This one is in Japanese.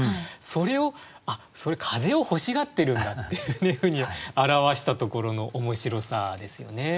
それを「風をほしがってるんだ」っていうふうに表したところの面白さですよね。